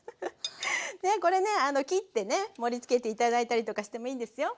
これねあの切ってね盛りつけて頂いたりとかしてもいいんですよ。